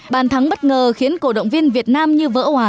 bàn thắng bất ngờ khiến cổ động viên việt nam như vỡ hòa sung sướng